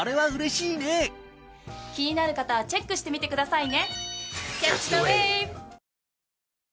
気になる方はチェックしてみてくださいね。